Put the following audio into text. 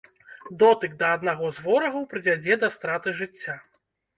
Дотык да аднаго з ворагаў прывядзе да страты жыцця.